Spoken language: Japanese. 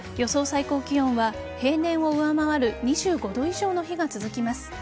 最高気温は平年を上回る２５度以上の日が続きます。